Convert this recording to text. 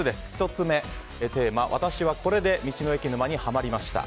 １つ目、テーマ私はこれで道の駅沼にハマりました。